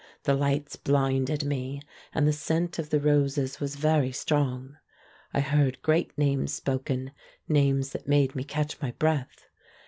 The lights blinded me, and the scent of the roses was very strong. I heard great names spoken, names that made me catch my breath.